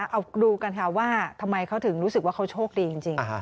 เอาดูกันค่ะว่าทำไมเขาถึงรู้สึกว่าเขาโชคดีจริง